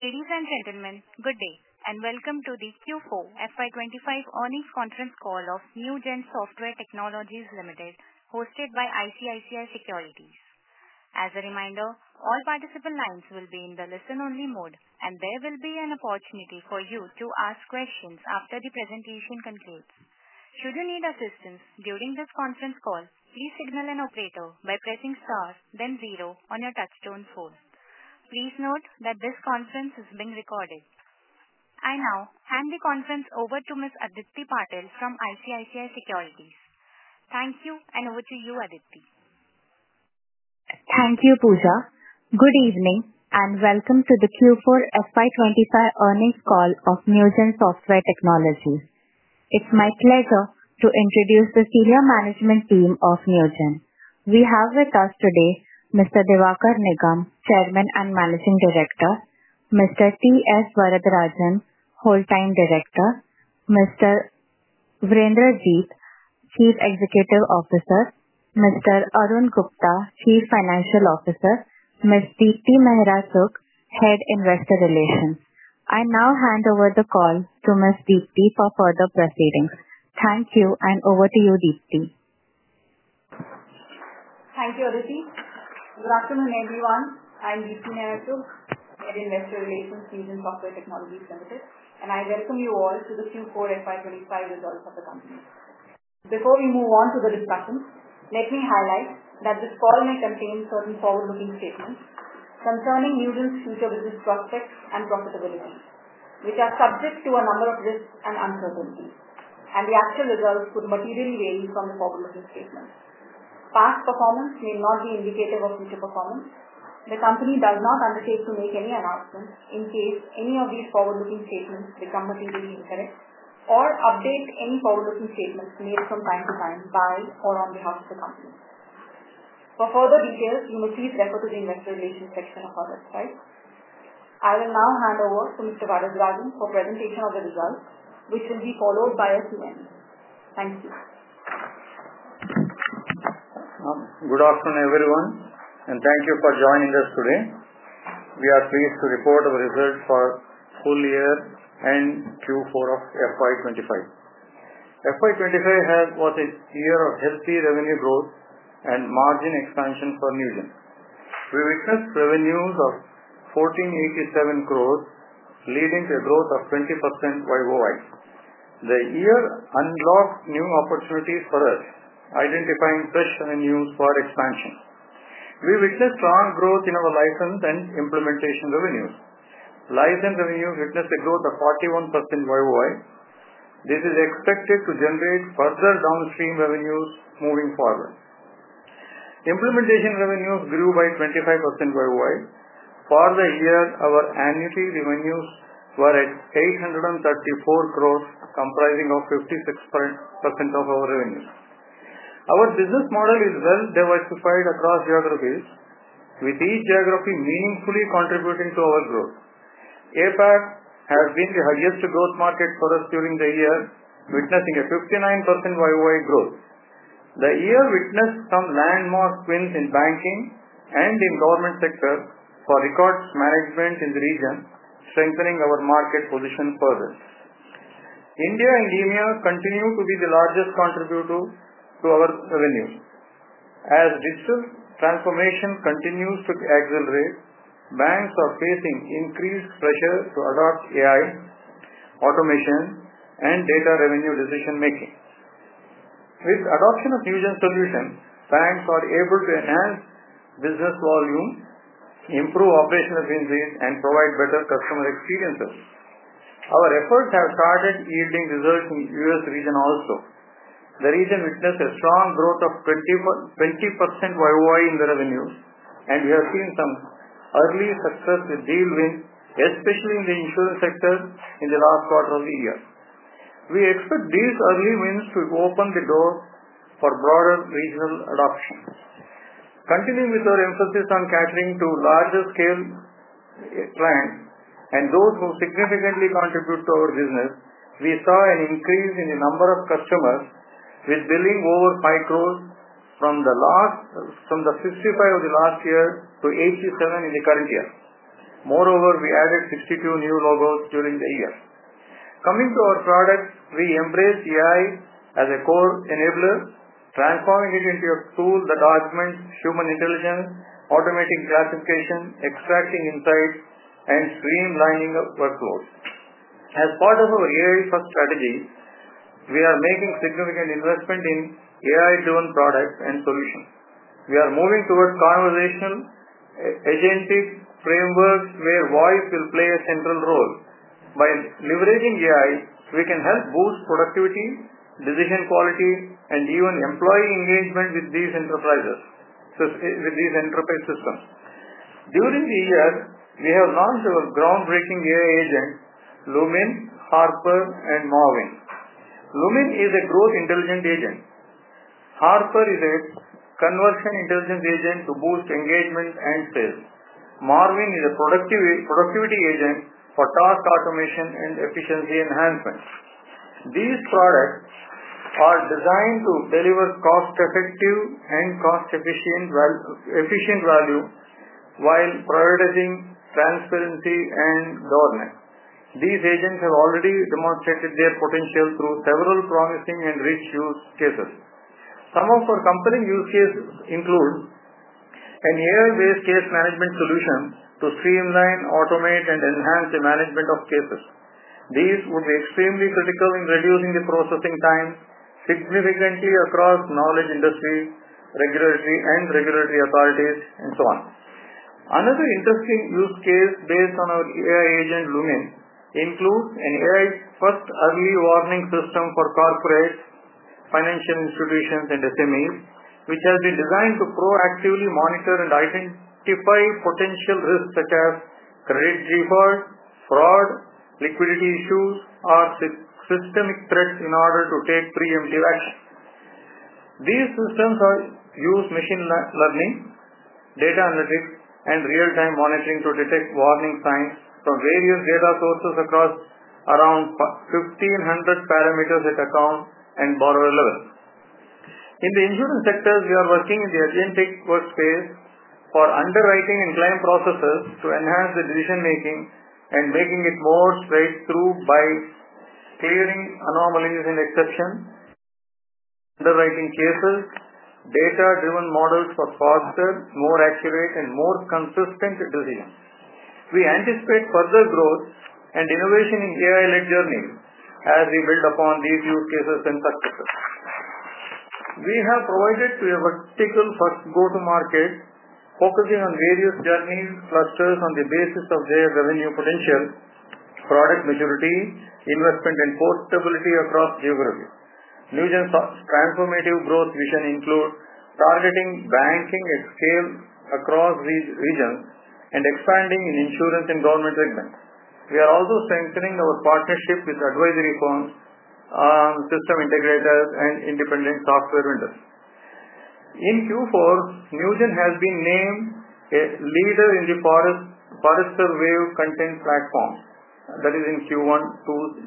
Ladies and gentlemen, good day, and welcome to the Q4 FY25 earnings conference call of Newgen Software Technologies Limited, hosted by ICICI Securities. As a reminder, all participant lines will be in the listen-only mode, and there will be an opportunity for you to ask questions after the presentation concludes. Should you need assistance during this conference call, please signal an operator by pressing star, then zero on your touch-tone phone. Please note that this conference is being recorded. I now hand the conference over to Ms. Aditi Patil from ICICI Securities. Thank you, and over to you, Aditi. Thank you, Pooja. Good evening, and welcome to the Q4 FY25 earnings call of Newgen Software Technologies. It's my pleasure to introduce the senior management team of Newgen. We have with us today Mr. Diwakar Nigam, Chairman and Managing Director; Mr. T. S. Varadarajan, Whole-Time Director; Mr. Virender Jeet, Chief Executive Officer; Mr. Arun Gupta, Chief Financial Officer; Ms. Deepti Mehra Chugh, Head Investor Relations. I now hand over the call to Ms. Deepti for further proceedings. Thank you, and over to you, Deepti. Thank you, Aditi. Good afternoon, everyone. I'm Deepti Mehra Chugh, Head Investor Relations at Newgen Software Technologies Limited, and I welcome you all to the Q4 FY25 results of the company. Before we move on to the discussion, let me highlight that this call may contain certain forward-looking statements concerning Newgen's future business prospects and profitability, which are subject to a number of risks and uncertainties, and the actual results could materially vary from the forward-looking statements. Past performance may not be indicative of future performance. The company does not undertake to make any announcements in case any of these forward-looking statements become materially incorrect or update any forward-looking statements made from time to time by or on behalf of the company. For further details, you may please refer to the Investor Relations section of our website. I will now hand over to Mr. Varadarajan for presentation of the results, which will be followed by a Q&A. Thank you. Good afternoon, everyone, and thank you for joining us today. We are pleased to report our results for full year and Q4 of FY25. FY25 was a year of healthy revenue growth and margin expansion for Newgen. We witnessed revenues of 1,487 crore, leading to a growth of 20% worldwide. The year unlocked new opportunities for us, identifying fresh venues for expansion. We witnessed strong growth in our license and implementation revenues. License revenues witnessed a growth of 41% worldwide. This is expected to generate further downstream revenues moving forward. Implementation revenues grew by 25% worldwide. For the year, our annuity revenues were at 834 crore rupees, comprising 56% of our revenues. Our business model is well diversified across geographies, with each geography meaningfully contributing to our growth. APAC has been the highest growth market for us during the year, witnessing a 59% worldwide growth. The year witnessed some landmark wins in banking and in the government sector for records management in the region, strengthening our market position further. India and India continue to be the largest contributors to our revenues. As digital transformation continues to accelerate, banks are facing increased pressure to adopt AI automation and data-driven decision-making. With the adoption of Newgen's solutions, banks are able to enhance business volume, improve operational efficiencies, and provide better customer experiences. Our efforts have started yielding results in the US region also. The region witnessed a strong growth of 20% worldwide in the revenues, and we have seen some early success with deal wins, especially in the insurance sector in the last quarter of the year. We expect these early wins to open the door for broader regional adoption. Continuing with our emphasis on catering to larger-scale clients and those who significantly contribute to our business, we saw an increase in the number of customers, with billing over 50 million from the last 65 of the last year to 87 in the current year. Moreover, we added 62 new logos during the year. Coming to our products, we embrace AI as a core enabler, transforming it into a tool that augments human intelligence, automating classification, extracting insights, and streamlining workflows. As part of our AI-first strategy, we are making significant investment in AI-driven products and solutions. We are moving towards conversational agentic frameworks where voice will play a central role. By leveraging AI, we can help boost productivity, decision quality, and even employee engagement with these enterprise systems. During the year, we have launched our groundbreaking AI agents, Lumen, Harper, and Marwin. Lumen is a growth intelligence agent. Harper is a conversion intelligence agent to boost engagement and sales. Marwin is a productivity agent for task automation and efficiency enhancement. These products are designed to deliver cost-effective and cost-efficient value while prioritizing transparency and governance. These agents have already demonstrated their potential through several promising and rich use cases. Some of our compelling use cases include an AI-based case management solution to streamline, automate, and enhance the management of cases. These would be extremely critical in reducing the processing time significantly across knowledge industries, regulatory and regulatory authorities, and so on. Another interesting use case based on our AI agent, Lumen, includes an AI-first early warning system for corporate financial institutions and SMEs, which has been designed to proactively monitor and identify potential risks such as credit default, fraud, liquidity issues, or systemic threats in order to take preemptive action. These systems use machine learning, data analytics, and real-time monitoring to detect warning signs from various data sources across around 1,500 parameters at account and borrower level. In the insurance sector, we are working in the agentic workspace for underwriting and claim processes to enhance the decision-making and make it more straight through by clearing anomalies and exceptions, underwriting cases, data-driven models for faster, more accurate, and more consistent decisions. We anticipate further growth and innovation in AI-led journeys as we build upon these use cases and successes. We have provided a vertical-first go-to-market focusing on various journey clusters on the basis of their revenue potential, product maturity, investment, and portability across geography. Newgen's transformative growth vision includes targeting banking at scale across these regions and expanding in insurance and government segments. We are also strengthening our partnership with advisory firms, system integrators, and independent software vendors. In Q4, Newgen has been named a leader in the Forrester Wave content platform. That is in Q1 2025.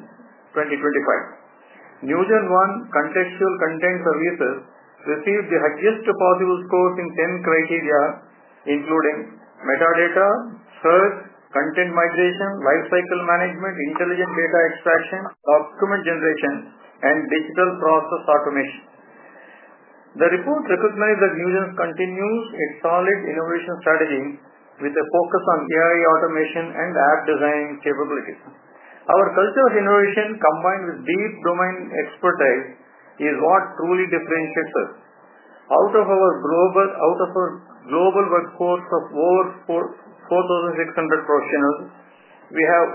Newgen One Contextual Content Services received the highest possible scores in 10 criteria, including metadata, search, content migration, lifecycle management, intelligent data extraction, document generation, and digital process automation. The report recognizes that Newgen continues its solid innovation strategy with a focus on AI automation and app design capabilities. Our culture of innovation, combined with deep domain expertise, is what truly differentiates us. Out of our global workforce of over 4,600 professionals, we have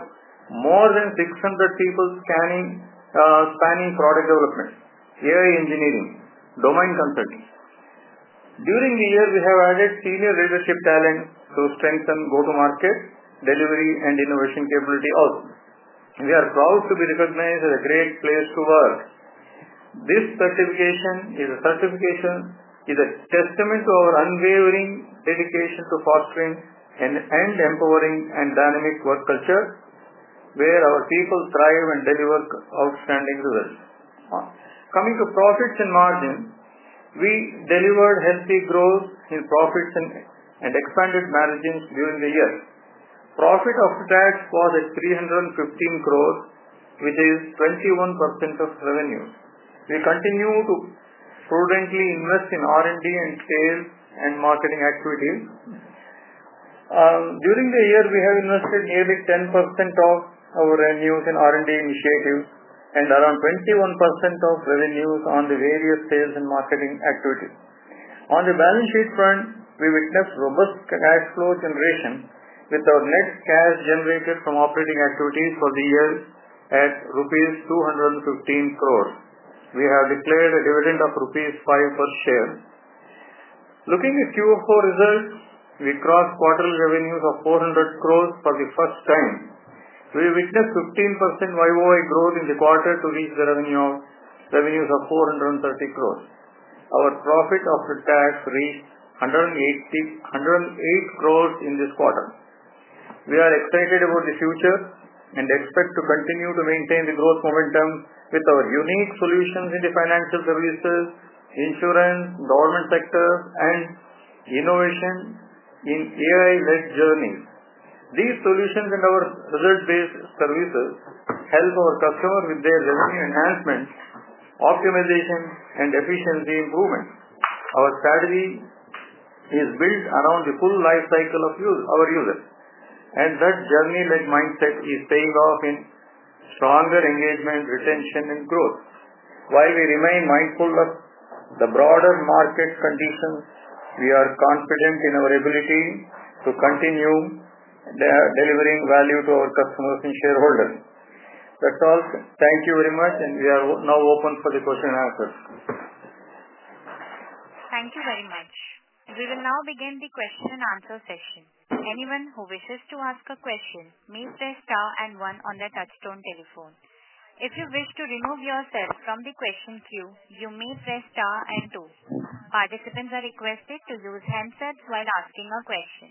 more than 600 people spanning product development, AI engineering, and domain consulting. During the year, we have added senior leadership talent to strengthen go-to-market, delivery, and innovation capability also. We are proud to be recognized as a great place to work. This certification is a testament to our unwavering dedication to fostering an empowering and dynamic work culture where our people thrive and deliver outstanding results. Coming to profits and margin, we delivered healthy growth in profits and expanded margins during the year. Profit after tax was at 315 crore, which is 21% of revenue. We continue to prudently invest in R&D and sales and marketing activities. During the year, we have invested nearly 10% of our revenues in R&D initiatives and around 21% of revenues on the various sales and marketing activities. On the balance sheet front, we witnessed robust cash flow generation, with our net cash generated from operating activities for the year at rupees 215 crore. We have declared a dividend of rupees 5 per share. Looking at Q4 results, we crossed quarterly revenues of 400 crore for the first time. We witnessed 15% worldwide growth in the quarter to reach the revenues of 430 crore. Our profit after tax reached 108 crore in this quarter. We are excited about the future and expect to continue to maintain the growth momentum with our unique solutions in the financial services, insurance, government sector, and innovation in AI-led journeys. These solutions and our result-based services help our customers with their revenue enhancement, optimization, and efficiency improvement. Our strategy is built around the full lifecycle of our users, and that journey-led mindset is paid off in stronger engagement, retention, and growth. While we remain mindful of the broader market conditions, we are confident in our ability to continue delivering value to our customers and shareholders. That is all. Thank you very much, and we are now open for the question and answers. Thank you very much. We will now begin the question and answer session. Anyone who wishes to ask a question may press star and one on the touchstone telephone. If you wish to remove yourself from the question queue, you may press star and two. Participants are requested to use handsets while asking a question.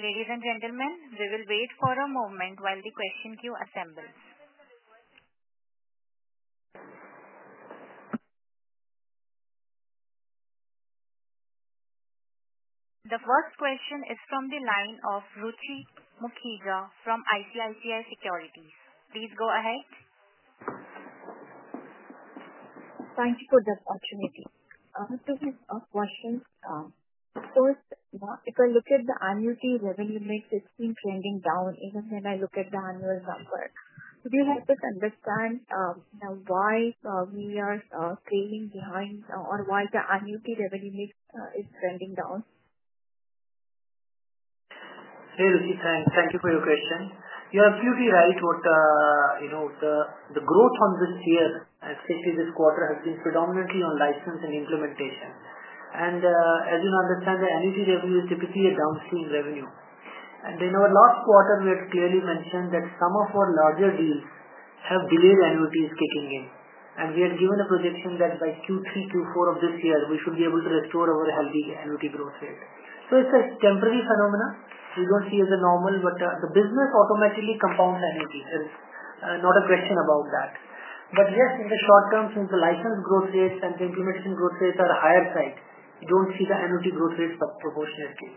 Ladies and gentlemen, we will wait for a moment while the question queue assembles. The first question is from the line of Ruchi Mukhija from ICICI Securities. Please go ahead. Thank you for the opportunity. This is a question. First, if I look at the annuity revenue mix, it's been trending down even when I look at the annual number. Could you help us understand why we are trailing behind or why the annuity revenue mix is trending down? Hey, Ruchi, thank you for your question. You are absolutely right. The growth on this year, especially this quarter, has been predominantly on license and implementation. As you understand, the annuity revenue is typically a downstream revenue. In our last quarter, we had clearly mentioned that some of our larger deals have delayed annuities kicking in. We had given a projection that by Q3, Q4 of this year, we should be able to restore our healthy annuity growth rate. It is a temporary phenomenon. We do not see it as normal, but the business automatically compounds annuities. There is not a question about that. Yes, in the short term, since the license growth rates and the implementation growth rates are higher side, you do not see the annuity growth rates proportionately.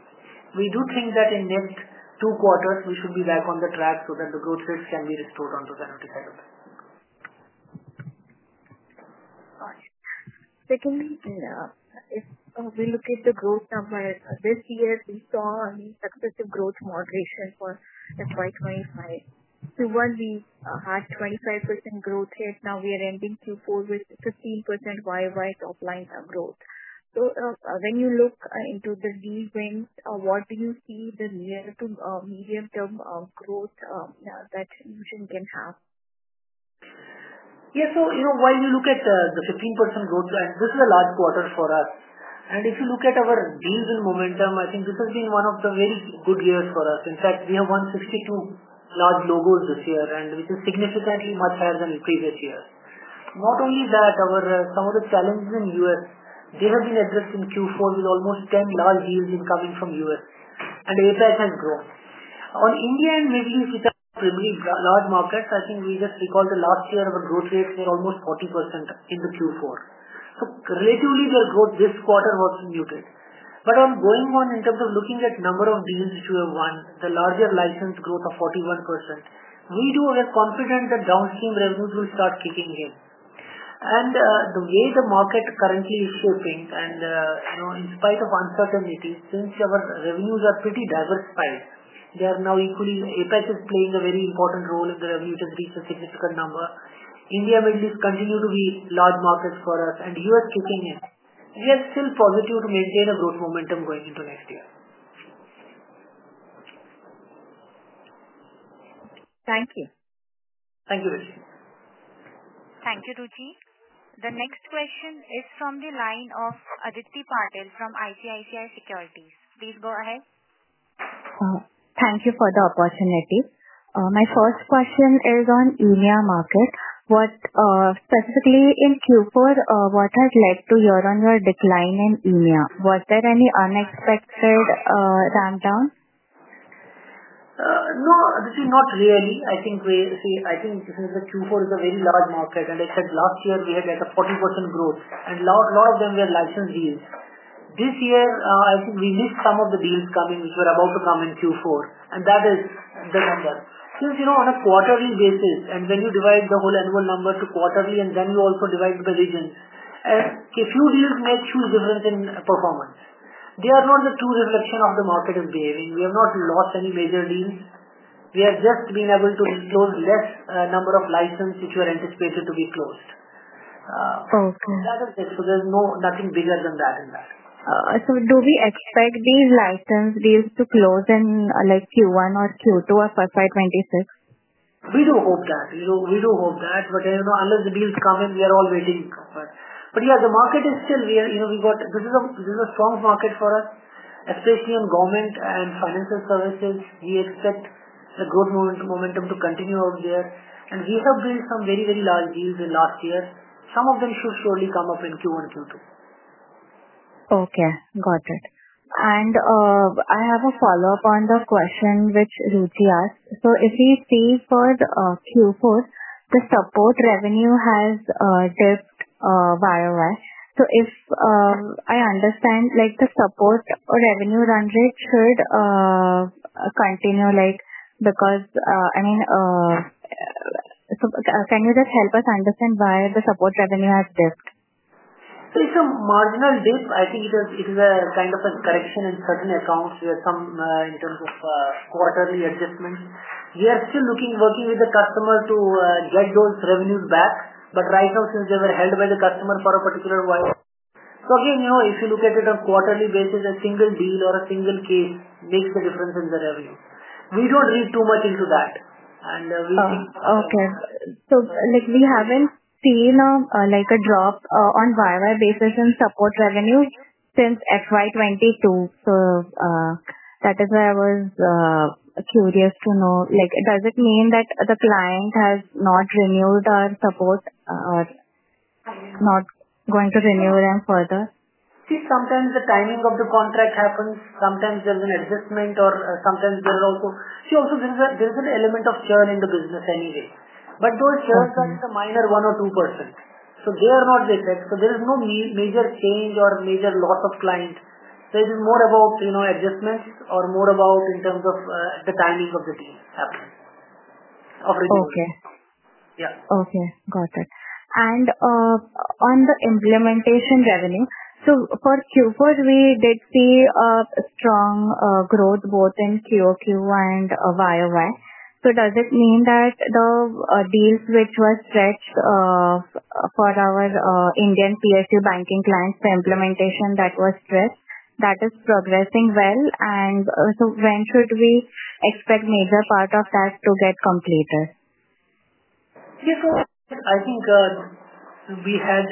We do think that in the next two quarters, we should be back on the track so that the growth rates can be restored onto the annuity side of things. Secondly, if we look at the growth numbers, this year, we saw successive growth moderation for Q2. Q1, we had 25% growth rate. Now, we are ending Q4 with 15% worldwide top-line growth. When you look into the deal wins, what do you see the near to medium-term growth that Newgen can have? Yeah. While you look at the 15% growth, this is a large quarter for us. If you look at our deals in momentum, I think this has been one of the very good years for us. In fact, we have won 62 large logos this year, which is significantly much higher than the previous year. Not only that, some of the challenges in the US, they have been addressed in Q4 with almost 10 large deals incoming from the US. APAC has grown. On India and Middle East, which are primarily large markets, I think we just recalled that last year, our growth rates were almost 40% in Q4. Relatively, their growth this quarter was muted. Going on, in terms of looking at the number of deals which we have won, the larger license growth of 41%, we do have confidence that downstream revenues will start kicking in. The way the market currently is shaping, and in spite of uncertainties, since our revenues are pretty diversified, they are now equally APAC is playing a very important role in the revenue. It has reached a significant number. India and Middle East continue to be large markets for us, and the US kicking in. We are still positive to maintain a growth momentum going into next year. Thank you. Thank you, Ruchi. Thank you, Ruchi. The next question is from the line of Aditi Patil from ICICI Securities. Please go ahead. Thank you for the opportunity. My first question is on EMEA market. Specifically, in Q4, what has led to your decline in EMEA? Was there any unexpected rundown? No, Ruchi, not really. I think this is a Q4 is a very large market. I said last year, we had like a 40% growth. A lot of them were license deals. This year, I think we missed some of the deals coming which were about to come in Q4. That is the number. Since on a quarterly basis, and when you divide the whole annual number to quarterly, and then you also divide by regions, a few deals make a huge difference in performance. They are not the true reflection of how the market is behaving. We have not lost any major deals. We have just been able to close a lesser number of licenses which were anticipated to be closed. That is it. There is nothing bigger than that in that. Do we expect these license deals to close in Q1 or Q2 or FY26? We do hope that. We do hope that. Unless the deals come in, we are all waiting. Yeah, the market is still weird. This is a strong market for us, especially in government and financial services. We expect the growth momentum to continue out there. We have built some very, very large deals in last year. Some of them should surely come up in Q1, Q2. Okay. Got it. I have a follow-up on the question which Ruchi asked. If we see for Q4, the support revenue has dipped worldwide. If I understand, the support revenue run rate should continue because, I mean, can you just help us understand why the support revenue has dipped? It's a marginal dip. I think it is a kind of a correction in certain accounts. We have some in terms of quarterly adjustments. We are still working with the customer to get those revenues back. Right now, since they were held by the customer for a particular while. If you look at it on a quarterly basis, a single deal or a single case makes the difference in the revenue. We do not read too much into that. We think. Okay. We haven't seen a drop on worldwide basis in support revenue since FY 2022. That is why I was curious to know. Does it mean that the client has not renewed our support or not going to renew them further? See, sometimes the timing of the contract happens. Sometimes there's an adjustment, or sometimes there is also an element of churn in the business anyway. But those churns are in the minor 1% or 2%. They are not the effect. There is no major change or major loss of client. It is more about adjustments or more about in terms of the timing of the deal happening or renewal. Okay. Yeah. Okay. Got it. On the implementation revenue, for Q4, we did see strong growth both in QOQ and worldwide. Does it mean that the deals which were stretched for our Indian PSU banking clients for implementation that were stretched, that is progressing well? When should we expect a major part of that to get completed? Yes, so I think we had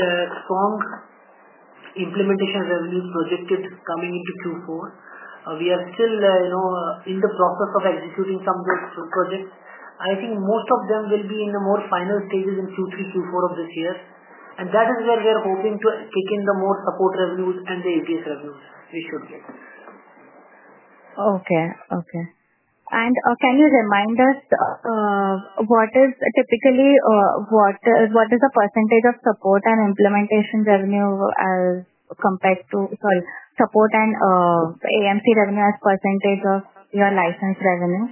strong implementation revenues projected coming into Q4. We are still in the process of executing some of those projects. I think most of them will be in the more final stages in Q3, Q4 of this year. That is where we are hoping to kick in the more support revenues and the ABS revenues we should get. Okay. Okay. Can you remind us what is typically what is the percentage of support and implementation revenue as compared to, sorry, support and AMC revenue as percentage of your license revenue?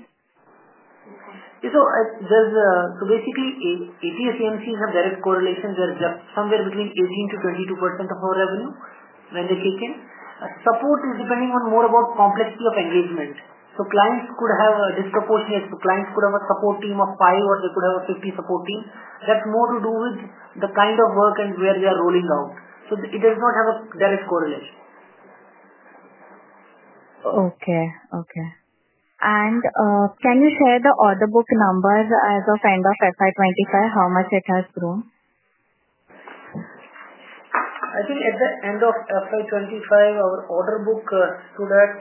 Basically, ATS, AMCs have direct correlation. They're somewhere between 18%-22% of our revenue when they kick in. Support is depending on more about the complexity of engagement. Clients could have a disproportionate. Clients could have a support team of five, or they could have a 50 support team. That's more to do with the kind of work and where they are rolling out. It does not have a direct correlation. Okay. Okay. Can you share the order book number as of end of FY25, how much it has grown? I think at the end of FY25, our order book stood at,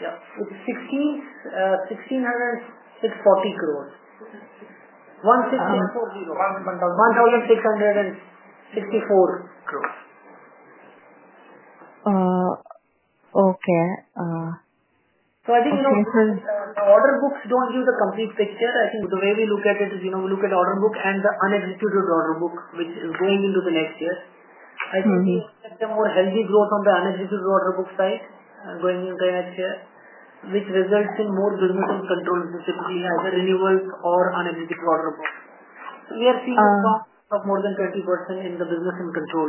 yeah, it's 1,640 crore. 1,640. INR 1,664 crore. Okay. I think the order books do not give the complete picture. I think the way we look at it is we look at order book and the unexecuted order book which is going into the next year. I think we expect a more healthy growth on the unexecuted order book side going into next year, which results in more business in control specifically either renewals or unexecuted order books. We are seeing a strong growth of more than 20% in the business in control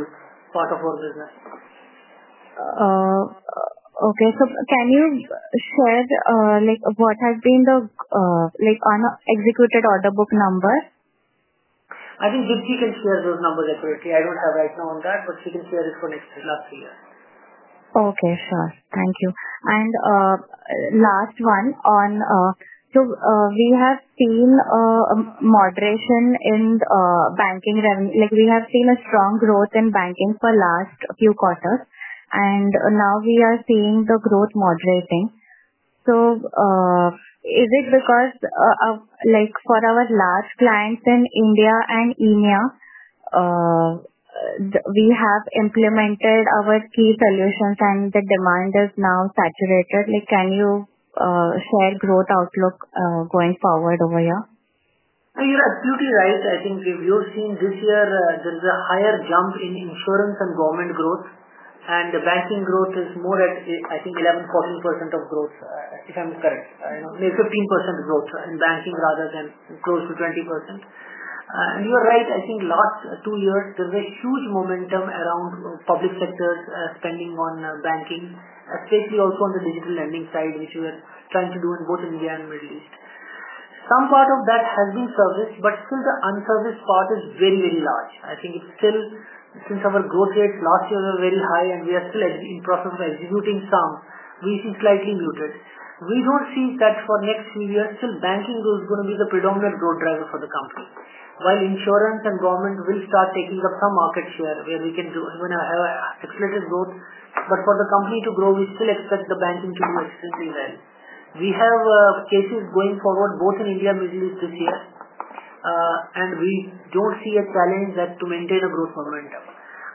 part of our business. Okay. Can you share what has been the unexecuted order book number? I think Ruchi can share those numbers accurately. I do not have right now on that, but she can share it for the last three years. Okay. Sure. Thank you. Last one, on, we have seen moderation in banking revenue. We have seen strong growth in banking for the last few quarters, and now we are seeing the growth moderating. Is it because for our large clients in India and EMEA, we have implemented our key solutions and the demand is now saturated? Can you share the growth outlook going forward over here? You're absolutely right. I think we have seen this year there is a higher jump in insurance and government growth. The banking growth is more at, I think, 11-14% of growth, if I'm correct. 15% growth in banking rather than close to 20%. You are right. I think last two years, there was a huge momentum around public sector spending on banking, especially also on the digital lending side, which we are trying to do in both India and Middle East. Some part of that has been serviced, but still the unserviced part is very, very large. I think it's still since our growth rates last year were very high, and we are still in the process of executing some, we see slightly muted. We don't see that for the next few years. Still, banking is going to be the predominant growth driver for the company. While insurance and government will start taking up some market share where we can have accelerated growth. For the company to grow, we still expect the banking to do extremely well. We have cases going forward both in India and Middle East this year. We do not see a challenge to maintain a growth momentum.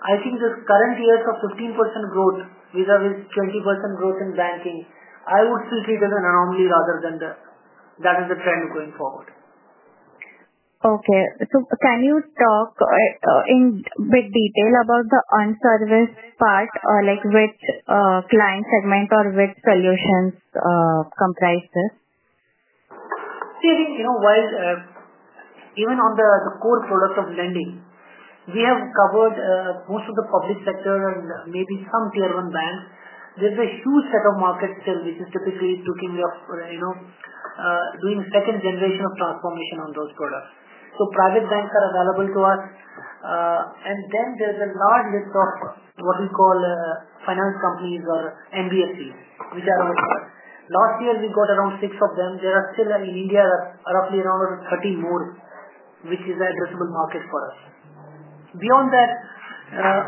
I think this current year's 15% growth, which is 20% growth in banking, I would still treat as an anomaly rather than that as a trend going forward. Okay. Can you talk in a bit detail about the unserviced part, which client segment or which solutions comprise this? See, I think while even on the core product of lending, we have covered most of the public sector and maybe some tier-one banks. There is a huge set of markets still, which is typically talking of doing second-generation of transformation on those products. Private banks are available to us. There is a large list of what we call finance companies or NBFCs, which are our products. Last year, we got around six of them. There are still in India, roughly around 30 more, which is an addressable market for us. Beyond that,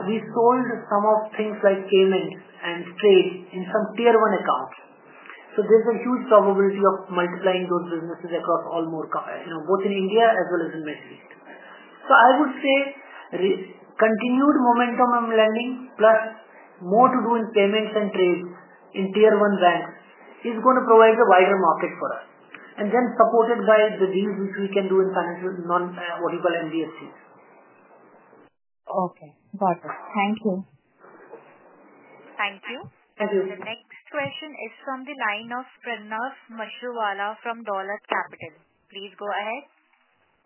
we sold some of things like payments and trade in some tier-one accounts. There is a huge probability of multiplying those businesses across all both in India as well as in Middle East. I would say continued momentum in lending plus more to do with payments and trade in tier-one banks is going to provide a wider market for us. Then supported by the deals which we can do in financial, what you call NBFCs. Okay. Got it. Thank you. Thank you. Thank you. The next question is from the line of Pranav Mashruwala from Dolat Capital. Please go ahead.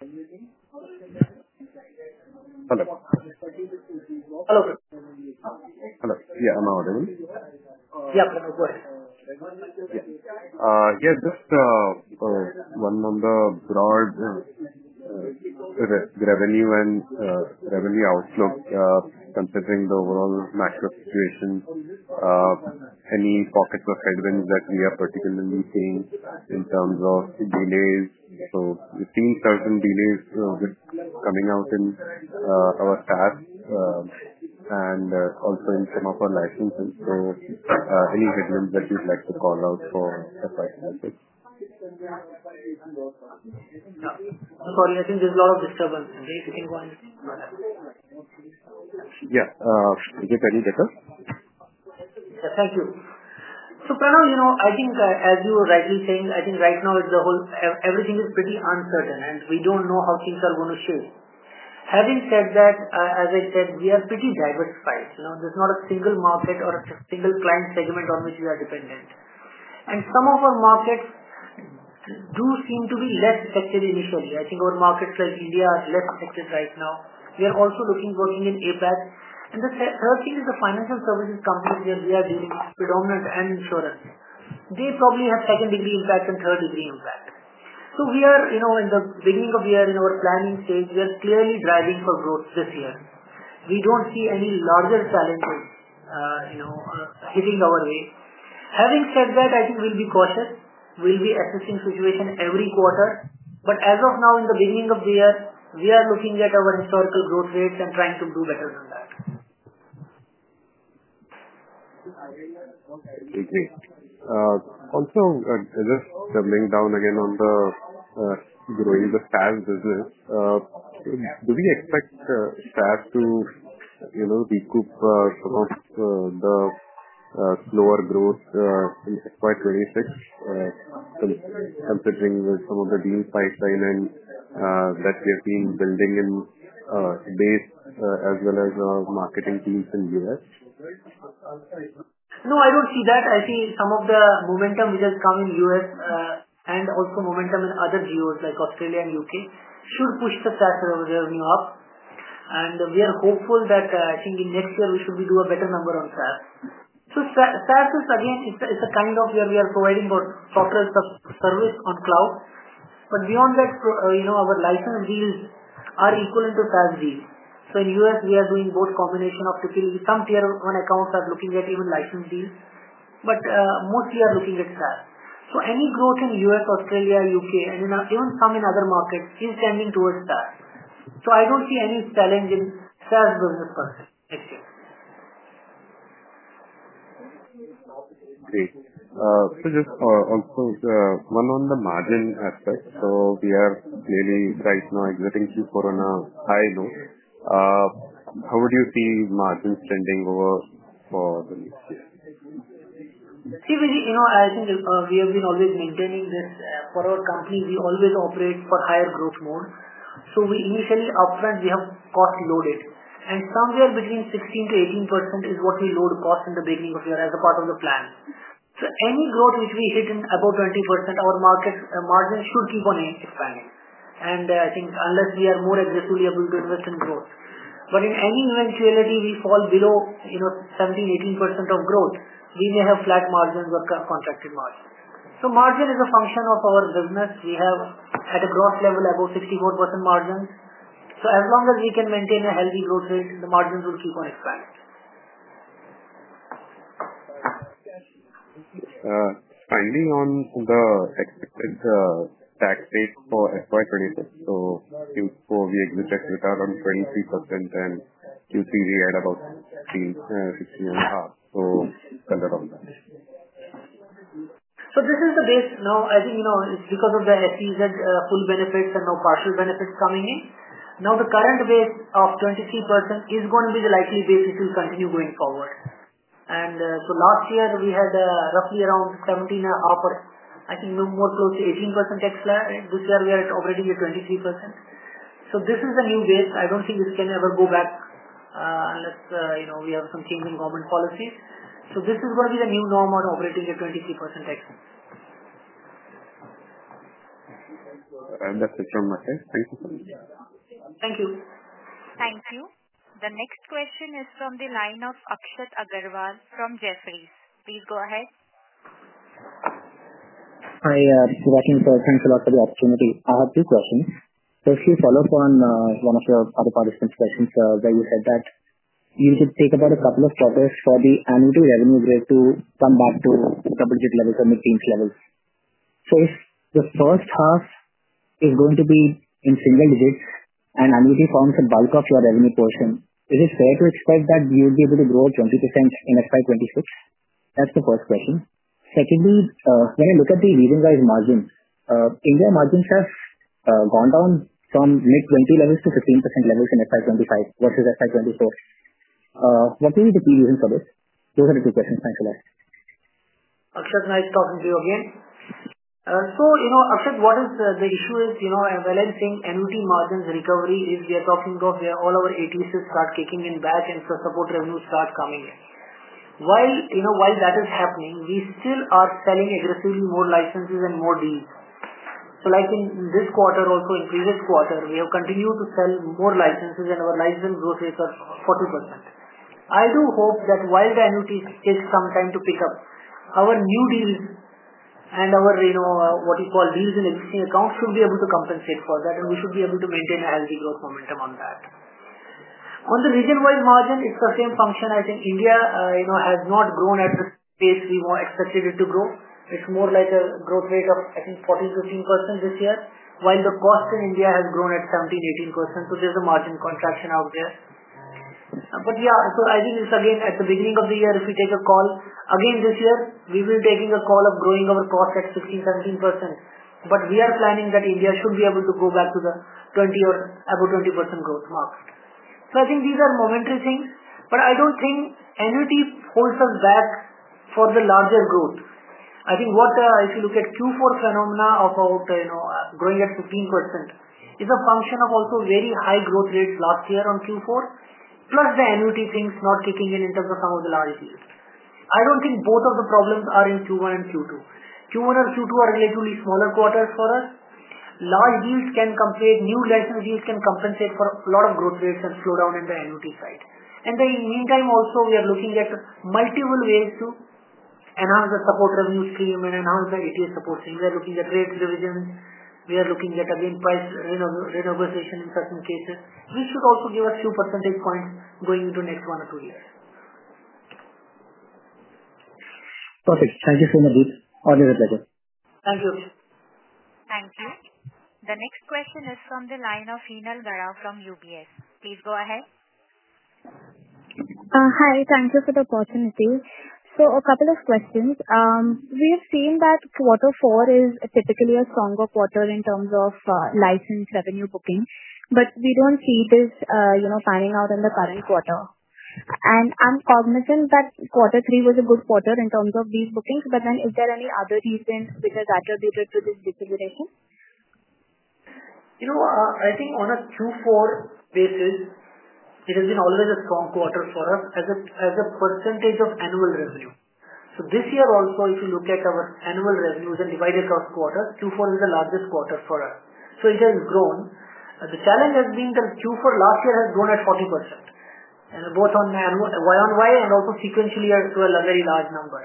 Yeah. Just one on the broad revenue and revenue outlook, considering the overall macro situation, any pockets of headwinds that we are particularly seeing in terms of delays. We have seen certain delays coming out in our SaaS and also in some of our licenses. Any headwinds that you would like to call out for FY26? Sorry, I think there's a lot of disturbance. I think you can go ahead. Yeah. Is it any better? Yes. Thank you. Pranav, I think as you were rightly saying, I think right now everything is pretty uncertain, and we do not know how things are going to shift. Having said that, as I said, we are pretty diversified. There is not a single market or a single client segment on which we are dependent. Some of our markets do seem to be less affected initially. I think our markets like India are less affected right now. We are also looking at working in APAC. The third thing is the financial services companies where we are dealing with predominant and insurance. They probably have second-degree impact and third-degree impact. We are in the beginning of the year in our planning stage. We are clearly driving for growth this year. We do not see any larger challenges hitting our way. Having said that, I think we will be cautious. We'll be assessing the situation every quarter. As of now, in the beginning of the year, we are looking at our historical growth rates and trying to do better than that. Agreed. Also, just coming down again on the growing the SaaS business, do we expect SaaS to decouple some of the slower growth in FY26, considering some of the deal pipeline that we have been building in base as well as our marketing teams in the US? No, I don't see that. I think some of the momentum which has come in the U.S. and also momentum in other geos like Australia and U.K. should push the SaaS revenue up. We are hopeful that I think in next year, we should do a better number on SaaS. SaaS is, again, it's a kind of where we are providing software as a service on cloud. Beyond that, our license deals are equal into SaaS deals. In the U.S., we are doing both combination of some tier-one accounts are looking at even license deals. Mostly are looking at SaaS. Any growth in the U.S., Australia, U.K., and even some in other markets is tending towards SaaS. I don't see any challenge in SaaS business next year. Great. Just also one on the margin aspect. We are clearly right now exiting Q4 on a high note. How would you see margins trending over for the next year? See, Varadarajan, I think we have been always maintaining this for our company. We always operate for higher growth mode. Initially, upfront, we have cost loaded. Somewhere between 16-18% is what we load cost in the beginning of the year as a part of the plan. Any growth which we hit in above 20%, our margins should keep on expanding. I think unless we are more aggressively able to invest in growth. In any eventuality we fall below 17-18% of growth, we may have flat margins or contracted margins. Margin is a function of our business. We have, at a gross level, above 64% margins. As long as we can maintain a healthy growth rate, the margins will keep on expanding. Finally, on the expected tax rate for FY26, Q4, we exit out on 23%, and Q3, we add about 16, 16 and a half. It is under 1%. This is the base. I think it's because of the SEZ full benefits and now partial benefits coming in. Now, the current base of 23% is going to be the likely base which will continue going forward. Last year, we had roughly around 17.5%, or I think more close to 18% tax plan. This year, we are operating at 23%. This is the new base. I don't think this can ever go back unless we have some change in government policy. This is going to be the new norm on operating at 23% tax plan. That is it from my side. Thank you so much. Thank you. Thank you. The next question is from the line of Akshat Agarwal from Jefferies. Please go ahead. Hi, Mr. Varadarajan. Thanks a lot for the opportunity. I have two questions. Firstly, to follow up on one of your other participants' questions, where you said that you could take about a couple of quarters for the annuity revenue rate to come back to double-digit levels or mid-teens levels. If the first half is going to be in single digits and annuity forms a bulk of your revenue portion, is it fair to expect that you would be able to grow 20% in FY26? That's the first question. Secondly, when I look at the reason why margins, India margins have gone down from mid-20% levels to 15% levels in FY25 versus FY24. What would be the key reason for this? Those are the two questions. Thanks a lot. Akshat, nice talking to you again. Akshat, what the issue is, as I'm saying, annuity margins recovery is we are talking of all our ATSs start kicking in back and support revenues start coming in. While that is happening, we still are selling aggressively more licenses and more deals. Like in this quarter, also in previous quarter, we have continued to sell more licenses and our license growth rates are 40%. I do hope that while the annuities take some time to pick up, our new deals and our what you call deals in existing accounts should be able to compensate for that, and we should be able to maintain a healthy growth momentum on that. On the region-wide margin, it's the same function. I think India has not grown at the pace we expected it to grow. It's more like a growth rate of, I think, 14-15% this year, while the cost in India has grown at 17-18%. There is a margin contraction out there. Yeah, I think it's again, at the beginning of the year, if we take a call again this year, we will be taking a call of growing our cost at 16-17%. We are planning that India should be able to go back to the 20% or above 20% growth mark. I think these are momentary things, I don't think annuity holds us back for the larger growth. I think if you look at Q4 phenomena of growing at 15%, it's a function of also very high growth rates last year on Q4, plus the annuity things not kicking in in terms of some of the large deals. I don't think both of the problems are in Q1 and Q2. Q1 and Q2 are relatively smaller quarters for us. Large deals can compensate; new license deals can compensate for a lot of growth rates and slow down in the annuity side. In the meantime, also, we are looking at multiple ways to enhance the support revenue stream and enhance the ATS support stream. We are looking at rates revisions. We are looking at, again, price renegotiation in certain cases, which should also give us few percentage points going into next one or two years. Perfect. Thank you so much, Veejay Always a pleasure. Thank you. Thank you. The next question is from the line of Veenal Garra from UBS. Please go ahead. Hi. Thank you for the opportunity. A couple of questions. We have seen that Q4 is typically a stronger quarter in terms of license revenue booking, but we do not see this panning out in the current quarter. I am cognizant that Q3 was a good quarter in terms of these bookings, but is there any other reason which has attributed to this deceleration? I think on a Q4 basis, it has been always a strong quarter for us as a percentage of annual revenue. This year, also, if you look at our annual revenues and divide it across quarters, Q4 is the largest quarter for us. It has grown. The challenge has been that Q4 last year has grown at 40%, both on Y on Y and also sequentially to a very large number.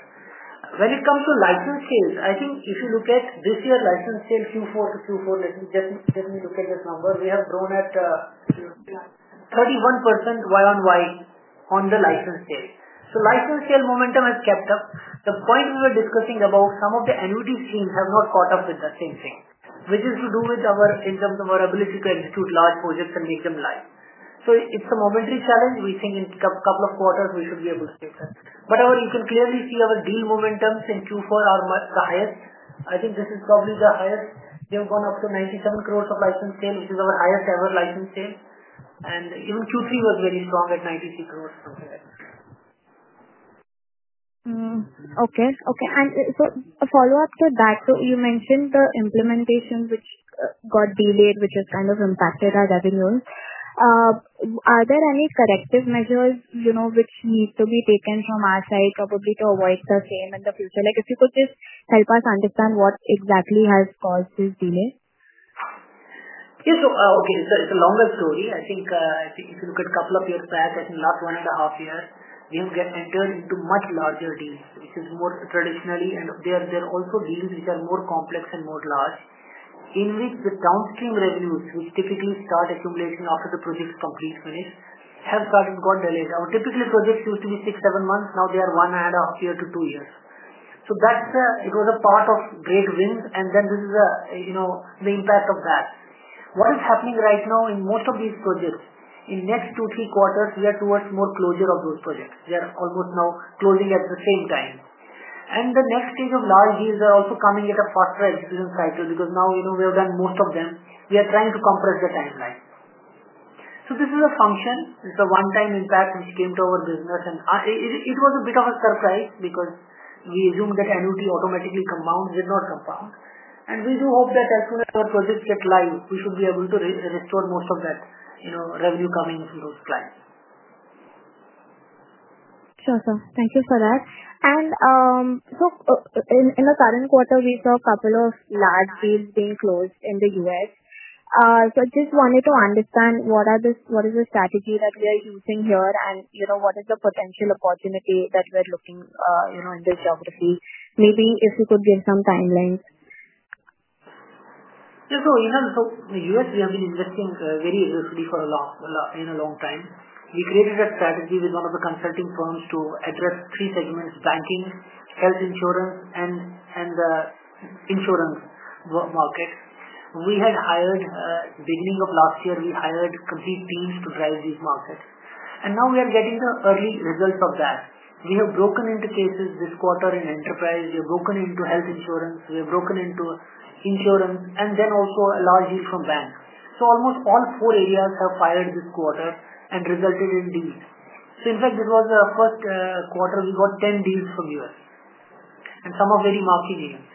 When it comes to license sales, I think if you look at this year's license sale, Q4 to Q4, let me look at this number. We have grown at 31% Y on Y on the license sale. License sale momentum has kept up. The point we were discussing about some of the annuity schemes have not caught up with the same thing, which is to do with our in terms of our ability to execute large projects and make them live. It is a momentary challenge. We think in a couple of quarters, we should be able to take that. You can clearly see our deal momentums in Q4 are the highest. I think this is probably the highest. We have gone up to 97 crore of license sale, which is our highest-ever license sale. Even Q3 was very strong at INR 93 crore or something like that. Okay. Okay. A follow-up to that. You mentioned the implementation, which got delayed, which has kind of impacted our revenues. Are there any corrective measures which need to be taken from our side probably to avoid the same in the future? If you could just help us understand what exactly has caused this delay? Yes. Okay. It's a longer story. I think if you look at a couple of years back, I think last one and a half year, we have entered into much larger deals, which is more traditionally. There are also deals which are more complex and more large in which the downstream revenues, which typically start accumulating after the projects complete finish, have got delayed. Typically, projects used to be six, seven months. Now they are one and a half year to two years. It was a part of great wins. This is the impact of that. What is happening right now in most of these projects, in the next two, three quarters, we are towards more closure of those projects. They are almost now closing at the same time. The next stage of large deals are also coming at a faster execution cycle because now we have done most of them. We are trying to compress the timeline. This is a function. It's a one-time impact which came to our business. It was a bit of a surprise because we assumed that annuity automatically compounds, but it did not compound. We do hope that as soon as our projects get live, we should be able to restore most of that revenue coming from those clients. Sure, sir. Thank you for that. In the current quarter, we saw a couple of large deals being closed in the US. I just wanted to understand what is the strategy that we are using here and what is the potential opportunity that we are looking in this geography. Maybe if you could give some timelines. Yes. In the US, we have been investing very aggressively for a long time. We created a strategy with one of the consulting firms to address three segments: banking, health insurance, and the insurance market. We had hired, beginning of last year, we hired complete teams to drive these markets. Now we are getting the early results of that. We have broken into cases this quarter in enterprise. We have broken into health insurance. We have broken into insurance, and also a large deal from banks. Almost all four areas have fired this quarter and resulted in deals. In fact, this was the first quarter we got 10 deals from the US and some very marquee deals.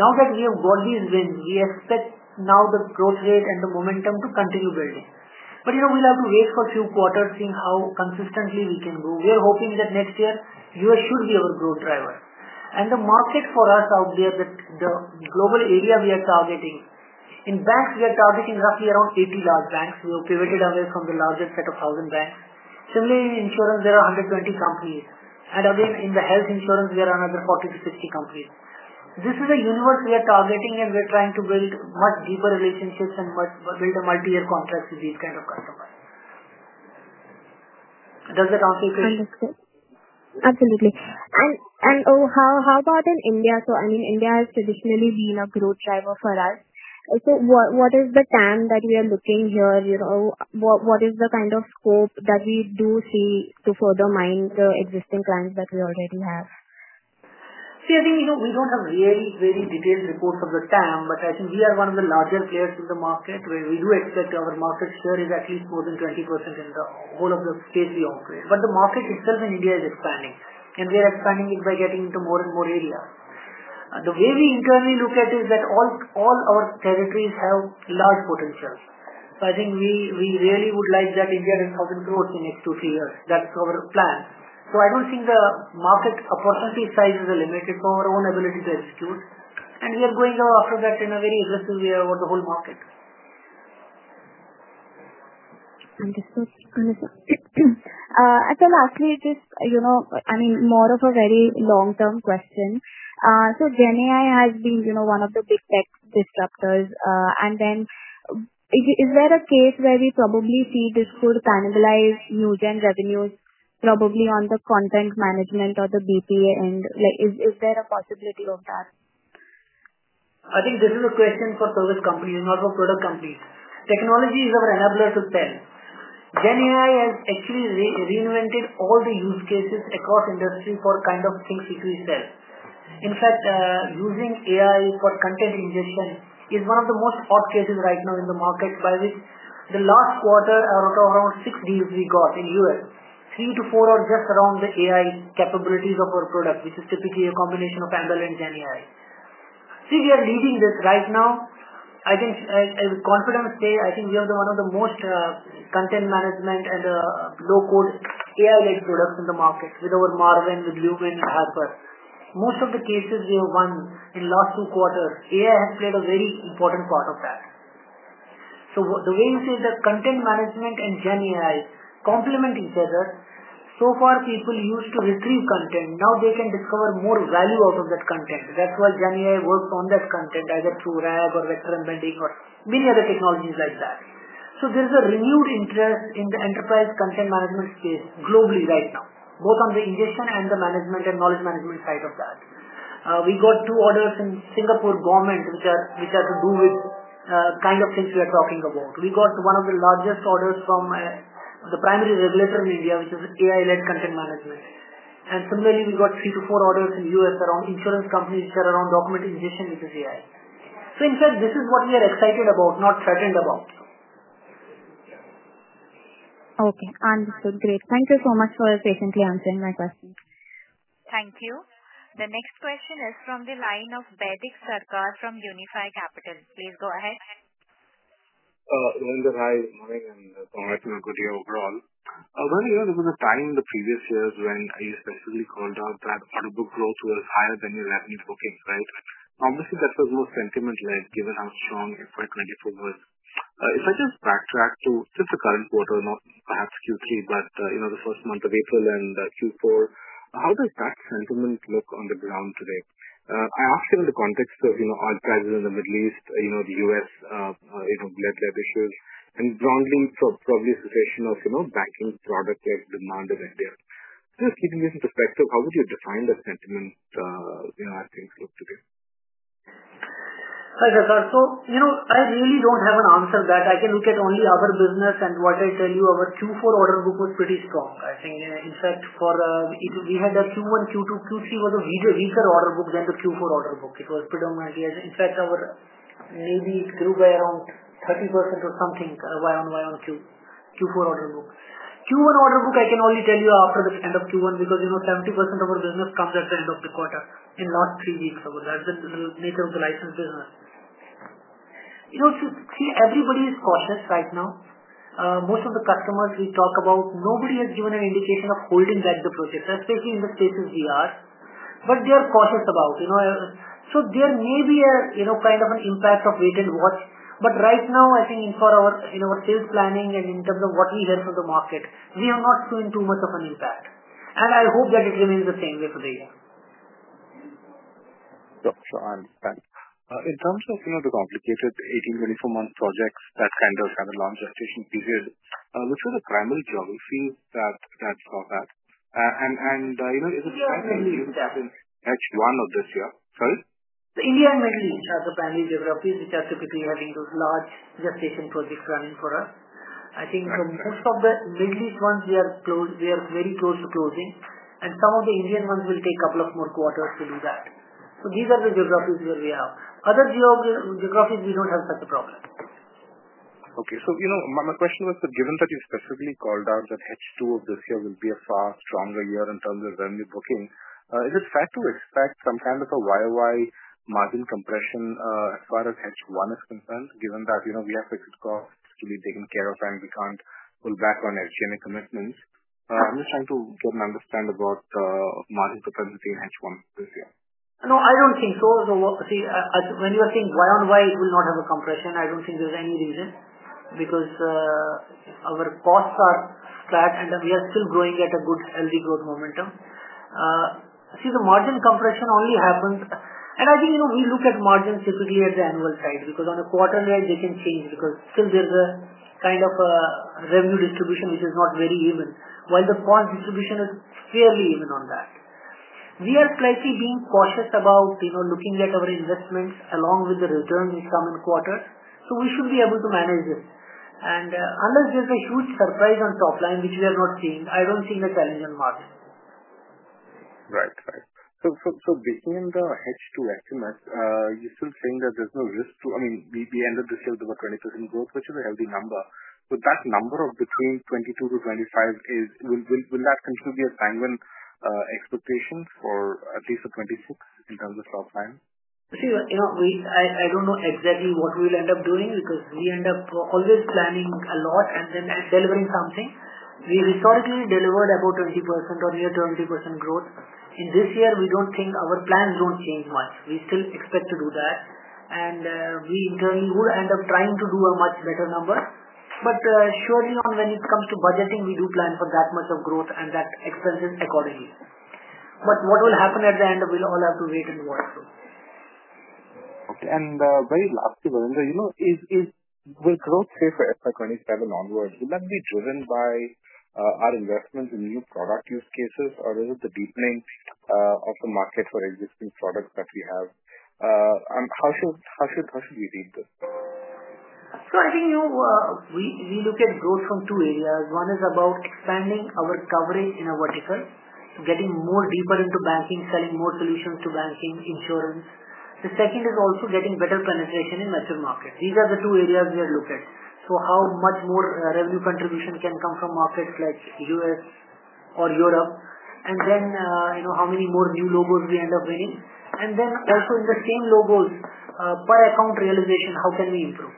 Now that we have got these wins, we expect the growth rate and the momentum to continue building. We will have to wait for a few quarters seeing how consistently we can grow. We are hoping that next year, US should be our growth driver. The market for us out there, the global area we are targeting, in banks, we are targeting roughly around 80 large banks. We have pivoted away from the larger set of 1,000 banks. Similarly, in insurance, there are 120 companies. Again, in the health insurance, there are another 40-60 companies. This is a universe we are targeting, and we're trying to build much deeper relationships and build multi-year contracts with these kinds of customers. Does that answer your question? Absolutely. How about in India? I mean, India has traditionally been a growth driver for us. What is the TAM that we are looking at here? What is the kind of scope that we do see to further mine the existing clients that we already have? See, I think we don't have very, very detailed reports of the TAM, but I think we are one of the larger players in the market where we do expect our market share is at least more than 20% in the whole of the space we operate. The market itself in India is expanding, and we are expanding it by getting into more and more areas. The way we internally look at is that all our territories have large potential. I think we really would like that India does 1,000 crore in the next two, three years. That's our plan. I don't think the market opportunity size is limited to our own ability to execute. We are going after that in a very aggressive way over the whole market. Thank you so much, Varadarajan. Lastly, just, I mean, more of a very long-term question. GenAI has been one of the big tech disruptors. Is there a case where we probably see this could cannibalize Newgen revenues, probably on the content management or the BPA end? Is there a possibility of that? I think this is a question for service companies, not for product companies. Technology is our enabler to sell. GenAI has actually reinvented all the use cases across industry for kind of things which we sell. In fact, using AI for content ingestion is one of the most hot cases right now in the market, by which the last quarter, out of around six deals we got in US, three to four are just around the AI capabilities of our product, which is typically a combination of Andal and GenAI. See, we are leading this right now. I can with confidence say I think we are one of the most content management and low-code AI-led products in the market with our Marwin, with Lumen, with Harper. Most of the cases we have won in the last two quarters, AI has played a very important part of that. The way you see the content management and GenAI complement each other, so far people used to retrieve content. Now they can discover more value out of that content. That is why GenAI works on that content, either through RAG or vector embedding or many other technologies like that. There is a renewed interest in the enterprise content management space globally right now, both on the ingestion and the management and knowledge management side of that. We got two orders in Singapore government which are to do with kind of things we are talking about. We got one of the largest orders from the primary regulator in India, which is AI-led content management. Similarly, we got three to four orders in the US around insurance companies which are around document ingestion, which is AI. In fact, this is what we are excited about, not threatened about. Okay. Understood. Great. Thank you so much for patiently answering my question. Thank you. The next question is from the line of Baidik Sarkar from Unifi Capital. Please go ahead. Hey, T. S. Varadarajan. Hi, good morning and congratulations on a good year overall. There was a time in the previous years when you specifically called out that order book growth was higher than your revenue booking, right? Obviously, that was most sentiment-led given how strong FY24 was. If I just backtrack to just the current quarter, not perhaps Q3, but the first month of April and Q4, how does that sentiment look on the ground today? I ask it in the context of oil crisis in the Middle East, the US-led issues, and broadly probably a situation of banking product-led demand in India. Just keeping this in perspective, how would you define the sentiment as things look today? Hi Sarkar. I really don't have an answer to that. I can look at only our business, and what I tell you, our Q4 order book was pretty strong. I think in fact, we had a Q1, Q2, Q3 was a weaker order book than the Q4 order book. It was predominantly, in fact, maybe it grew by around 30% or something, year on Q4 order book. Q1 order book, I can only tell you after the end of Q1 because 70% of our business comes at the end of the quarter in the last three weeks. That's the nature of the license business. See, everybody is cautious right now. Most of the customers we talk about, nobody has given an indication of holding back the projects, especially in the spaces we are, but they are cautious about. There may be a kind of an impact of wait and watch, but right now, I think in our sales planning and in terms of what we hear from the market, we have not seen too much of an impact. I hope that it remains the same way for the year. Sure. Sure. I understand. In terms of the complicated 18-24 month projects that kind of have a long gestation period, which are the primary geographies that saw that? Is it primarily in H1 or this year? Sorry? India and Middle East are the primary geographies which are typically having those large gestation projects running for us. I think for most of the Middle East ones, we are very close to closing, and some of the Indian ones will take a couple of more quarters to do that. These are the geographies where we are. Other geographies, we do not have such a problem. Okay. My question was that given that you specifically called out that H2 of this year will be a far stronger year in terms of revenue booking, is it fair to expect some kind of a YOY margin compression as far as H1 is concerned, given that we have fixed costs to be taken care of and we can't pull back on hedge gen commitments? I'm just trying to get an understanding about margin propensity in H1 this year. No, I don't think so. See, when you are saying Y on Y, it will not have a compression. I don't think there's any reason because our costs are flat and we are still growing at a good, healthy growth momentum. The margin compression only happens and I think we look at margins typically at the annual side because on a quarterly rate, they can change because still there's a kind of revenue distribution which is not very even, while the cost distribution is fairly even on that. We are slightly being cautious about looking at our investments along with the returns which come in quarters. We should be able to manage this. Unless there's a huge surprise on top line, which we are not seeing, I don't see any challenge in market. Right. Right. Being in the H2 estimates, you're still saying that there's no risk to, I mean, we ended this year with about 20% growth, which is a healthy number. With that number of between 22-25%, will that continue to be a sanguine expectation for at least 2026 in terms of top line? See, I don't know exactly what we will end up doing because we end up always planning a lot and then delivering something. We historically delivered about 20% or near 20% growth. In this year, we don't think our plans don't change much. We still expect to do that. We internally would end up trying to do a much better number. Surely, when it comes to budgeting, we do plan for that much of growth and that expenses accordingly. What will happen at the end, we'll all have to wait and watch for. Okay. Very lastly, will growth stay for FY2027 onward? Will that be driven by our investments in new product use cases, or is it the deepening of the market for existing products that we have? How should we read this? I think we look at growth from two areas. One is about expanding our coverage in a vertical, getting more deeper into banking, selling more solutions to banking, insurance. The second is also getting better penetration in the actual market. These are the two areas we are looking at. How much more revenue contribution can come from markets like US or Europe, and then how many more new logos we end up winning. Also in the same logos, per account realization, how can we improve?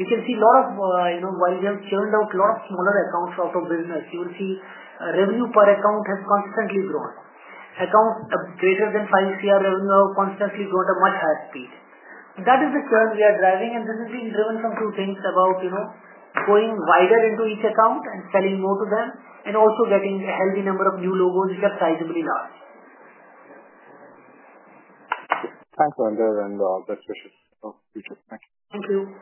You can see a lot of while we have churned out a lot of smaller accounts out of business, you will see revenue per account has constantly grown. Accounts greater than 50 million revenue have constantly grown at a much higher speed. That is the churn we are driving, and this is being driven from two things about going wider into each account and selling more to them and also getting a healthy number of new logos which are sizably large. Thanks, and best wishes. Thank you.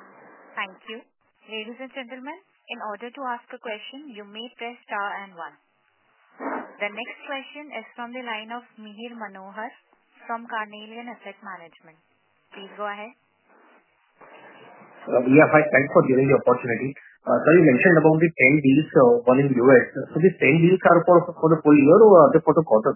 Thank you. Ladies and gentlemen, in order to ask a question, you may press star and one. The next question is from the line of Mihir Manohar from Carnelian Asset Management. Please go ahead. Yeah, hi, thanks for giving the opportunity. You mentioned about the 10 deals won in the US. These 10 deals are for the full year or are they for the quarter?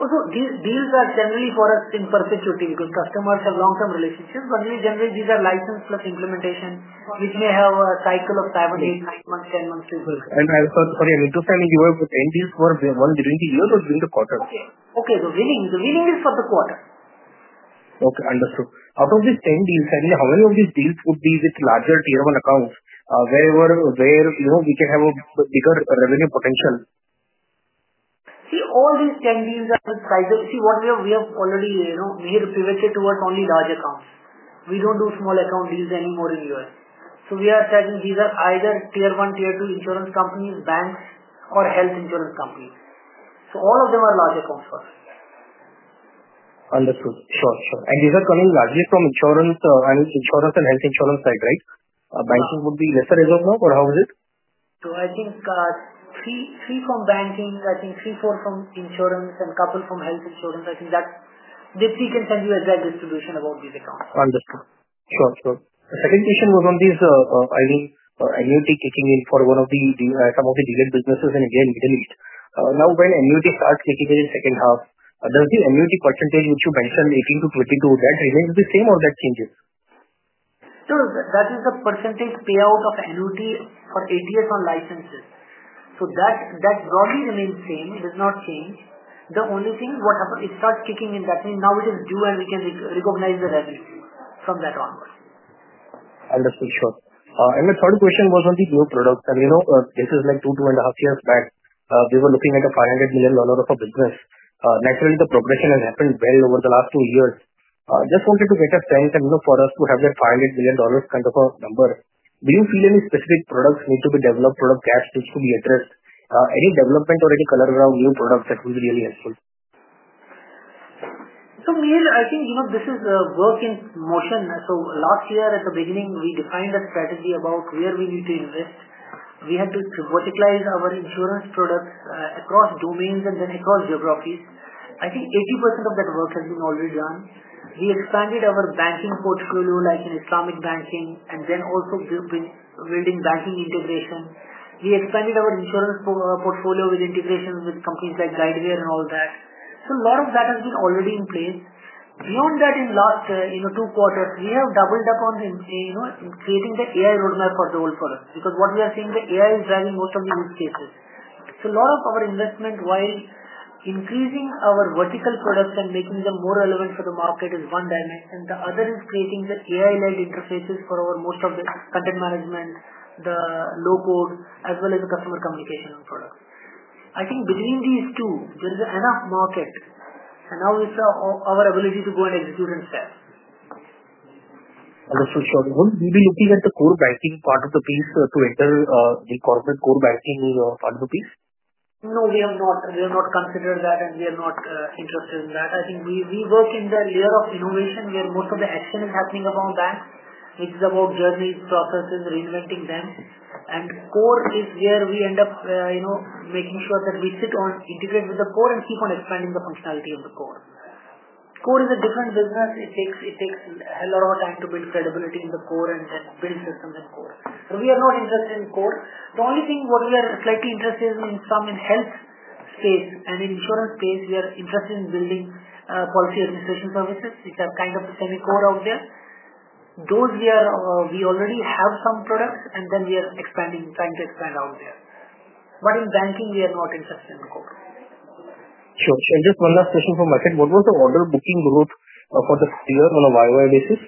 These deals are generally for us in perpetuity because customers have long-term relationships. Generally, these are license plus implementation, which may have a cycle of 7, 8, 9 months, 10 months. Sorry, I meant to say in the U.S., the 10 deals were won during the year or during the quarter? Okay. Okay. The winning is for the quarter. Okay. Understood. Out of these 10 deals, how many of these deals would be with larger tier one accounts where we can have a bigger revenue potential? See, all these 10 deals are with sizable, see, what we have already pivoted towards only large accounts. We do not do small account deals anymore in the US. We are targeting, these are either tier one, tier two insurance companies, banks, or health insurance companies. All of them are large accounts for us. Understood. Sure. Sure. These are coming largely from insurance and health insurance side, right? Banking would be lesser as of now, or how is it? I think three from banking, I think three, four from insurance, and a couple from health insurance. I think that we can send you a direct distribution about these accounts. Understood. Sure. Sure. The second question was on these annuity kicking in for some of the dealing businesses in India and Middle East. Now, when annuity starts kicking in in the second half, does the annuity percentage which you mentioned, 18-22%, that remains the same or that changes? That is the % payout of annuity for ATS on licenses. That probably remains same. It does not change. The only thing what happens, it starts kicking in. That means now it is due and we can recognize the revenue from that onward. Understood. Sure. The third question was on the new products. This is like two, two and a half years back. We were looking at a $500 million of a business. Naturally, the progression has happened well over the last two years. Just wanted to get a sense for us to have that $500 million kind of a number. Do you feel any specific products need to be developed, product gaps which could be addressed, any development or any color around new products that would be really helpful? Mihir, I think this is work in motion. Last year at the beginning, we defined a strategy about where we need to invest. We had to verticalize our insurance products across domains and then across geographies. I think 80% of that work has been already done. We expanded our banking portfolio like in Islamic banking and then also building banking integration. We expanded our insurance portfolio with integrations with companies like Guidewire and all that. A lot of that has been already in place. Beyond that, in the last two quarters, we have doubled up on creating the AI roadmap for the whole product because what we are seeing, the AI is driving most of the use cases. A lot of our investment while increasing our vertical products and making them more relevant for the market is one dimension. The other is creating the AI-led interfaces for most of the content management, the low code, as well as the customer communication products. I think between these two, there is enough market and now it's our ability to go and execute and sell. Understood. Sure. Will be looking at the core banking part of the piece to enter the corporate core banking part of the piece? No, we have not. We have not considered that and we are not interested in that. I think we work in the layer of innovation where most of the action is happening about banks, which is about journeys, processes, reinventing them. Core is where we end up making sure that we sit on, integrate with the core, and keep on expanding the functionality of the core. Core is a different business. It takes a lot of time to build credibility in the core and then build systems in core. So we are not interested in core. The only thing what we are slightly interested in, some in health space and insurance space, we are interested in building policy administration services, which are kind of semi-core out there. Those we already have some products and then we are trying to expand out there. In banking, we are not interested in core. Sure. Sure. Just one last question from my side. What was the order booking growth for the year on a YOY basis?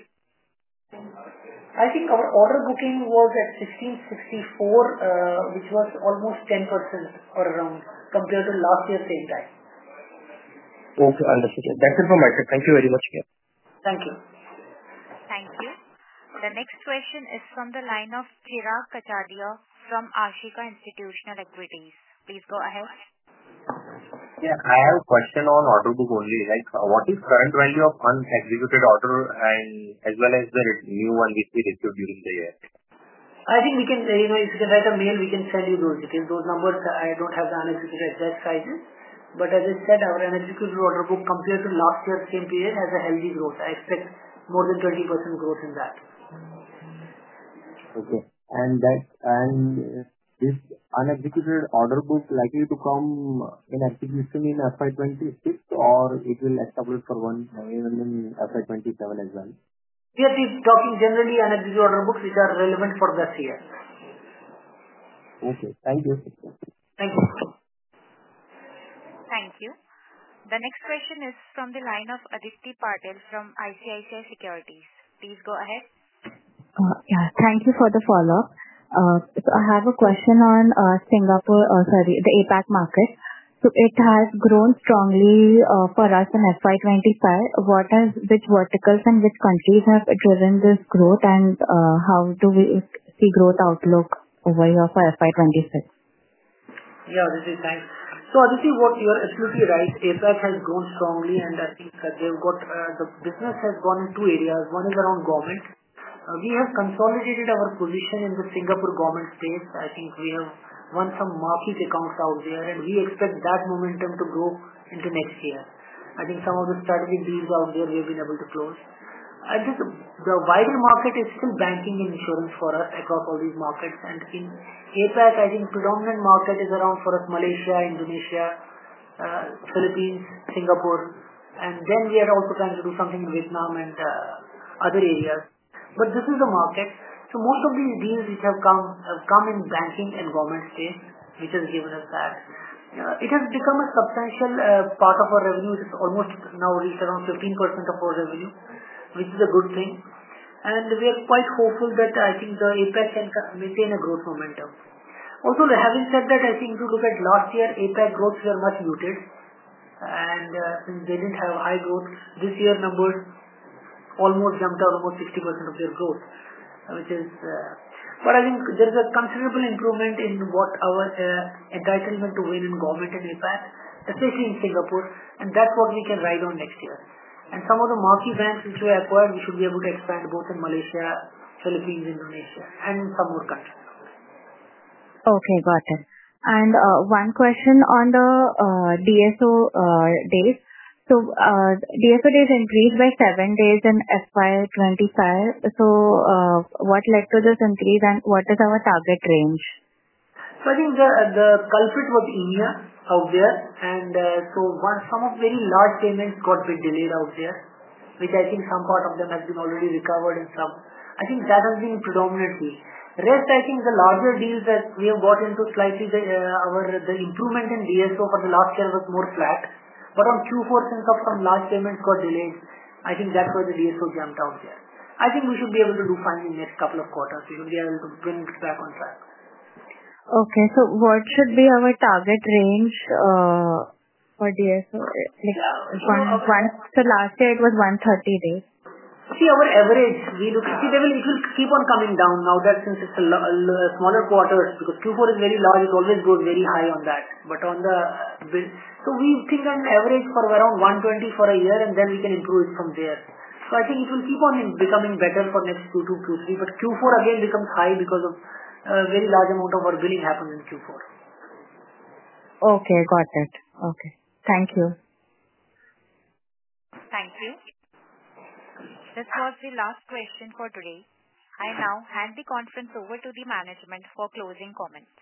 I think our order booking was at 1,564, which was almost 10% or around compared to last year's same time. Okay. Understood. That's it from my side. Thank you very much. Thank you. Thank you. The next question is from the line of Chirag Kachhadiya from Ashika Institution Equities. Yeah. I have a question on order book only. What is current value of unexecuted order as well as the new one which we received during the year? I think if you can write a mail, we can sell you those. It is those numbers. I do not have the unexecuted exercises. As I said, our unexecuted order book compared to last year's same period has a healthy growth. I expect more than 20% growth in that. Okay. Is unexecuted order book likely to come in execution in FY26 or will it establish for one in FY27 as well? We are talking generally unexecuted order books which are relevant for the next year. Okay. Thank you. Thank you. Thank you. The next question is from the line of Aditi Patil from ICICI Securities. Please go ahead. Thank you for the follow-up. I have a question on Singapore or sorry, the APAC market. It has grown strongly for us in FY25. Which verticals and which countries have driven this growth, and how do we see growth outlook over here for FY26? Yeah, this is thanks. Aditi, you are absolutely right. APAC has grown strongly, and I think the business has gone in two areas. One is around government. We have consolidated our position in the Singapore government space. I think we have won some market accounts out there, and we expect that momentum to grow into next year. I think some of the strategic deals out there we have been able to close. The wider market is still banking and insurance for us across all these markets. In APAC, I think predominant market is around for us, Malaysia, Indonesia, Philippines, Singapore. We are also trying to do something in Vietnam and other areas. This is the market. Most of these deals have come in banking and government space, which has given us that. It has become a substantial part of our revenue, which has almost now reached around 15% of our revenue, which is a good thing. We are quite hopeful that I think the APAC can maintain a growth momentum. Also, having said that, I think if you look at last year, APAC growth here much muted. Since they did not have high growth, this year numbers almost jumped out almost 60% of their growth, which is. I think there is a considerable improvement in what our entitlement to win in government and APAC, especially in Singapore. That is what we can ride on next year. Some of the marquee banks which we have acquired, we should be able to expand both in Malaysia, Philippines, Indonesia, and some more countries. Okay. Got it. One question on the DSO days. DSO days increased by 7 days in FY25. What led to this increase, and what is our target range? I think the culprit was India out there. Some very large payments got a bit delayed out there, which I think some part of them has been already recovered in some. I think that has been predominantly. Rest, I think the larger deals that we have got into slightly, the improvement in DSO for the last year was more flat. On Q4, since some large payments got delayed, I think that's where the DSO jumped out there. I think we should be able to do fine in the next couple of quarters. We should be able to bring it back on track. Okay. What should be our target range for DSO? Last year, it was 130 days. See, our average, we look at it will keep on coming down now since it's a smaller quarter because Q4 is very large. It always goes very high on that. On the so we think on average for around 120 for a year, and then we can improve it from there. I think it will keep on becoming better for next Q2, Q3. Q4 again becomes high because of a very large amount of our billing happens in Q4. Okay. Got it. Okay. Thank you. Thank you. This was the last question for today. I now hand the conference over to the management for closing comments.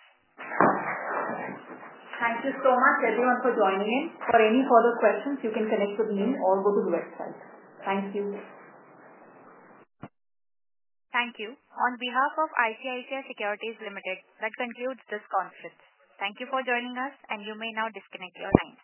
Thank you so much, everyone, for joining in. For any further questions, you can connect with me or go to the website. Thank you. Thank you. On behalf of ICICI Securities, that concludes this conference. Thank you for joining us, and you may now disconnect your lines.